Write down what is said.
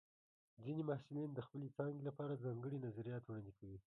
ځینې محصلین د خپلې څانګې لپاره ځانګړي نظریات وړاندې کوي.